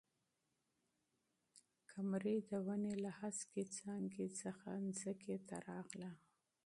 قمري د ونې له هسکې څانګې څخه ځمکې ته راغله.